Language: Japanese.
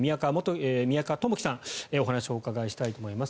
宮川知己さんにお話をお伺いしたいと思います。